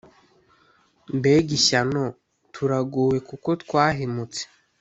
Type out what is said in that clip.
Mbega ishyano! Turagowe kuko twahemutse!